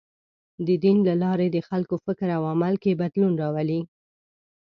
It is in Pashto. د دین له لارې د خلکو فکر او عمل کې بدلون راولي.